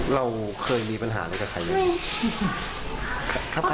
เราเคยมีปัญหาอะไรกับใครอย่างนี้